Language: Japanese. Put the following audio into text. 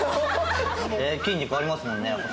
筋肉ありますもんねやっぱ。